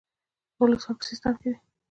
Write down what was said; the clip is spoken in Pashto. بلوڅان په سیستان کې دي.